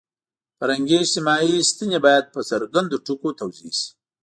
فرهنګي – اجتماعي ستنې باید په څرګندو ټکو توضیح شي.